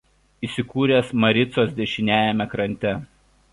Įsikūręs Maricos dešiniajame krante.